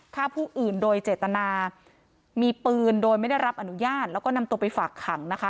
ฆ่าผู้อื่นโดยเจตนามีปืนโดยไม่ได้รับอนุญาตแล้วก็นำตัวไปฝากขังนะคะ